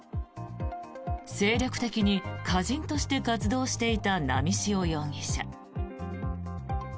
精力的に歌人として活動していた波汐容疑者。